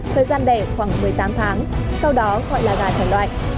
thời gian đẻ khoảng một mươi tám tháng sau đó gọi là gà thể loại